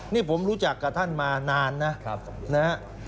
นี่ผมรู้จักกับท่านมานานนะ